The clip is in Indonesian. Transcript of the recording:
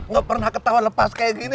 nggak pernah ketawa lepas kayak gini